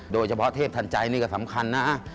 โดยเฉพาะเทพทันใจนี่ก็สำคัญนะ